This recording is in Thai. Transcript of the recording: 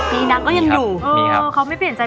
พี่อ๋อมไม่ได้ครับ